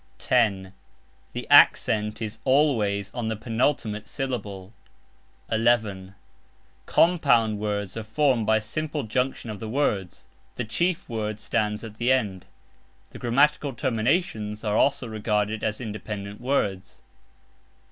(10) The ACCENT is ALWAYS on the penultimate syllable. (11) COMPOUND WORDS are formed by simple junction of the words (the chief word stands at the end); the grammatical terminations are also regarded as independent words.